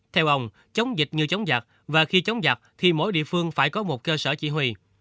theo ông chống dịch như chống giặc và khi chống giặc thì mỗi địa phương phải có một cơ sở chỉ huy